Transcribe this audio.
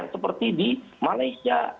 seperti di malaysia